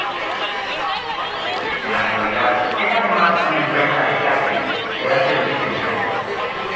En la actualidad es además una empresa de cáterin que da servicio a empresas.